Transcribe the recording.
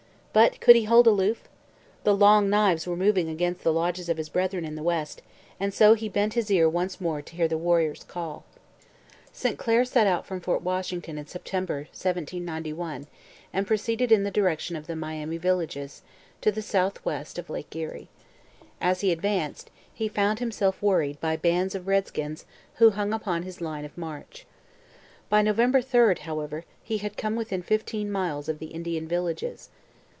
But could he hold aloof? The 'Long Knives' were moving against the lodges of his brethren in the west, and so he bent his ear once more to hear the warrior's call. St Clair set out from Fort Washington in September 1791 and proceeded in the direction of the Miami villages, to the south west of Lake Erie. As he advanced, he found himself worried by bands of redskins who hung upon his line of march. By November 3, however, he had come within fifteen miles of the Indian villages.